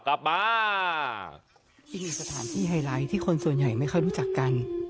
กลับมาอีกหนึ่งสถานที่ไฮไลท์ที่คนส่วนใหญ่ไม่ค่อยรู้จักกัน